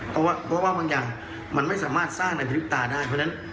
เพราะว่ามันไม่สามารถสร้างเป็นคลิปตาได้